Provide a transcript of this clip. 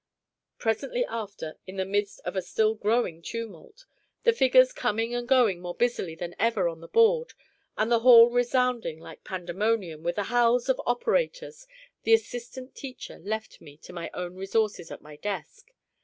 Presently after, in the midst of a still growing tumult, the figures coming and going more busily than ever on the board, and the hall resounding like Pandemonium with the howls of operators, the assistant teacher left me to my own resources at my desk.